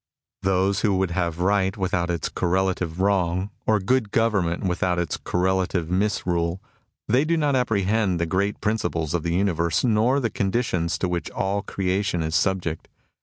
Those who would have right without its correlative, wrong ; or good government without its correlative, misrule, — they do not apprehend the great principles of the universe nor the conditions to which all creation is subject.